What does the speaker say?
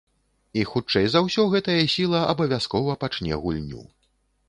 І хутчэй за ўсё гэтая сіла абавязкова пачне гульню.